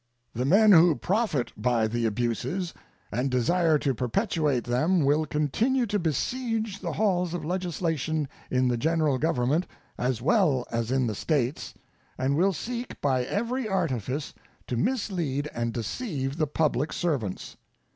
The men who profit by the abuses and desire to perpetuate them will continue to besiege the halls of legislation in the General Government as well as in the States, and will seek by every artifice to mislead and deceive the public servants.